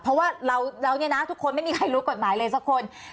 เพราะว่าเราเนี่ยนะทุกคนไม่มีใครรู้กฎหมายเลยสักคน